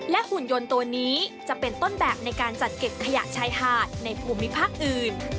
หุ่นยนต์ตัวนี้จะเป็นต้นแบบในการจัดเก็บขยะชายหาดในภูมิภาคอื่น